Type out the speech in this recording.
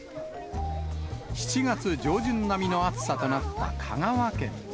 ７月上旬並みの暑さとなった香川県。